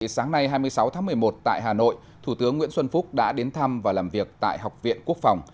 sáng nay hai mươi sáu tháng một mươi một tại hà nội thủ tướng nguyễn xuân phúc đã đến thăm và làm việc tại học viện quốc phòng